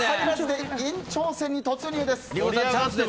延長戦に突入です。